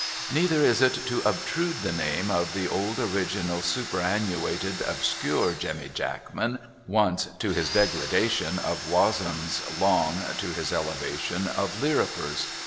Neither is it to obtrude the name of the old original superannuated obscure Jemmy Jackman, once (to his degradation) of ^Vozenham's, long (to his elevation) of Lirriper's.